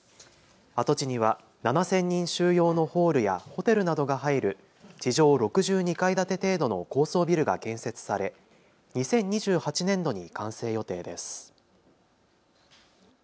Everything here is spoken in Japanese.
跡地には７０００人収容のホールやホテルなどが入る地上６２階建て程度の高層ビルが建設され２０２８年度に完成予定です。